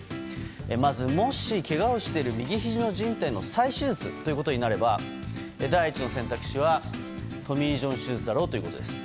まず、もしけがをしている右ひじのじん帯の再手術ということになれば第１の選択肢はトミー・ジョン手術だろうということです。